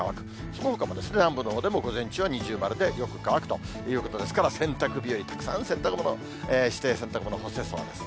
そのほかも南部のほうでも午前中は二重丸で、よく乾くということですから、洗濯日和、たくさん洗濯物して、洗濯物干せそうです。